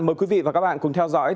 mời quý vị và các bạn cùng theo dõi